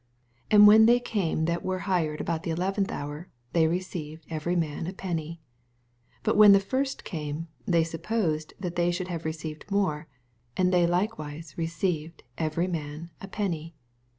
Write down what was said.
9 And when they came that wen hired about the eleventh hour, they received every man a penny. 10 But when the first came, they supposed that they should have re ceived more; and they hkewise r&* ceived every man a pennv.